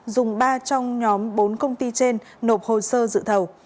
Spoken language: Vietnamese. dùng ba trong nhóm bốn công ty trên nộp hồ sơ dự thầu